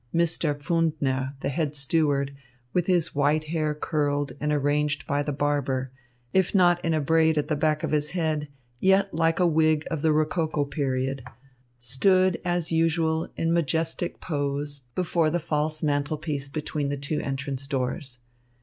Mr. Pfundner, the head steward, with his white hair curled and arranged by the barber, if not in a braid at the back of his head, yet like a wig of the rococo period, stood, as usual, in majestic pose, before the false mantelpiece between the two entrance doors.